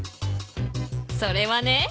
それはね